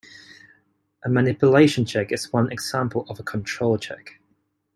A manipulation check is one example of a control check.